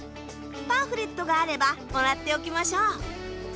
パンフレットがあればもらっておきましょう。